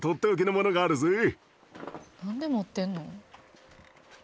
何で持ってんの？